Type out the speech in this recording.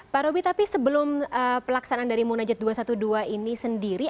pak roby tapi sebelum pelaksanaan dari munajat dua ratus dua belas ini sendiri